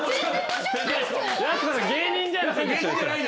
芸人さんじゃない。